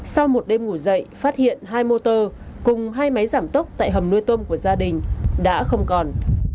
sau một đêm ngủ dậy phát hiện hai motor cùng hai máy giảm tốc tại hầm nuôi tôm của gia đình đã không còn